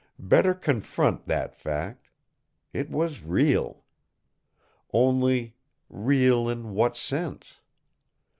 Better confront that fact! It was real. Only, real in what sense?